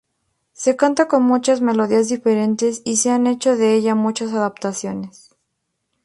Se canta con muchas melodías diferentes y se han hecho de ella muchas adaptaciones.